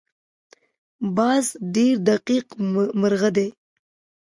باز ډېر دقیق مرغه دی